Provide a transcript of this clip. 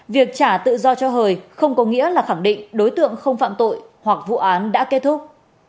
việc trả tự do cho hời không có nghĩa là khẳng định đối tượng không phạm tội hoặc vụ án đã kết thúc